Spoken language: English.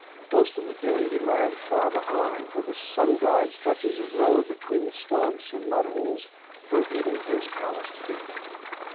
Most of the day he lagged far behind, for the sun dried stretches of road between the swamps and mud holes hurt even his calloused feet.